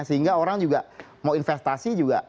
sehingga orang juga mau investasi juga